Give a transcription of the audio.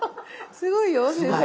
すごいよ先生。